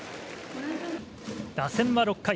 打線は６回。